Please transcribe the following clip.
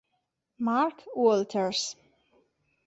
Mark Walters